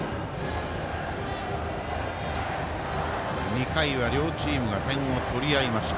２回は両チームが点を取り合いました。